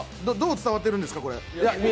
どう伝わってるんですか、これ？